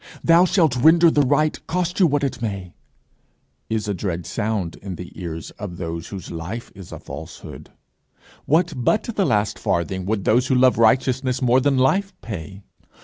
'Thou shalt render the right, cost you what it may,' is a dread sound in the ears of those whose life is a falsehood: what but the last farthing would those who love righteousness more than life pay?